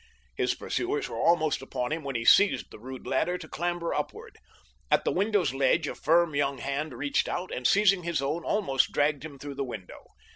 His pursuers were almost upon him when he seized the rude ladder to clamber upward. At the window's ledge a firm, young hand reached out and, seizing his own, almost dragged him through the window.